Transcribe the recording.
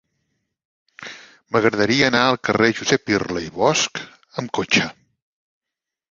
M'agradaria anar al carrer de Josep Irla i Bosch amb cotxe.